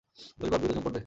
Lollipop, দ্রুত চম্পট দে!